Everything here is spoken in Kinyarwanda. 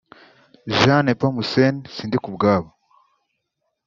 Jean Nepomuscène Sindikubwabo